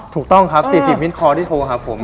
ถูกต้องครับ๔๐มิดคอที่โทรหาผม